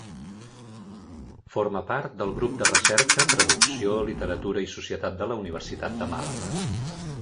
Forma part del grup de recerca Traducció, literatura i societat de la Universitat de Màlaga.